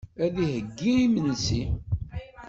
Ad d-iheyyi imensi.